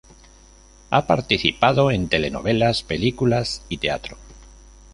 Ha participado en telenovelas, películas y teatro.